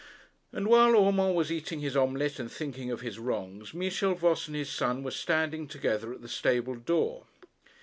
And while Urmand was eating his omelet and thinking of his wrongs, Michel Voss and his son were standing together at the stable door.